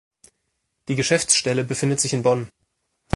Die Geschäftsstelle befindet sich in Bonn.